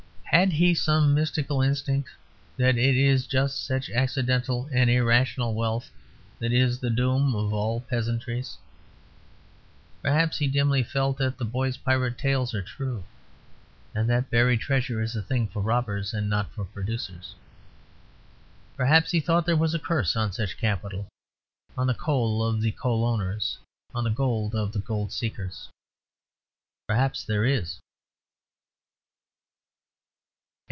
Had he some mystical instinct that it is just such accidental and irrational wealth that is the doom of all peasantries? Perhaps he dimly felt that the boy's pirate tales are true; and that buried treasure is a thing for robbers and not for producers. Perhaps he thought there was a curse on such capital: on the coal of the coal owners, on the gold of the gold seekers. Perhaps there is.